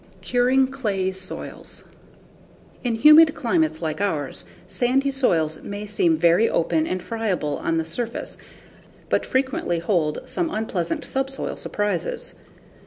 Curing Clayey Soils In humid climates like ours, sandy soils may seem very open and friable on the surface but frequently hold some unpleasant subsoil surprises.